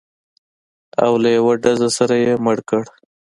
او له یوه ډزه سره یې مړ کړ.